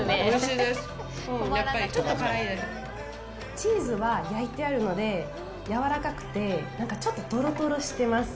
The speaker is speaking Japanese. チーズは焼いてあるのでやわらかくて、なんかちょっと、とろとろしてます。